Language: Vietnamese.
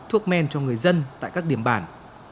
thuốc men cho người dân tại các điểm bản